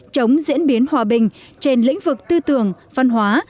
chống diễn biến hòa bình trên lĩnh vực tư tưởng văn hóa